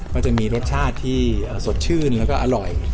ก็จะมีรสชาติที่สดชื่นแล้วก็อร่อย